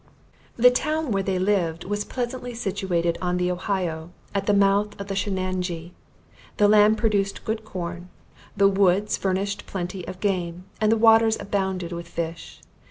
The town where they lived was pleasantly situated on the Ohio, at the mouth of the Shenanjee: the land produced good corn; the woods furnished a plenty of game, and the waters abounded with fish.